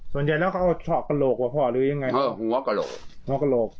ส่วนใหญ่แล้วก็เอาเหาะกะโลกหรือยังไงโอ้ยหัวกะโลกหัวกะโลก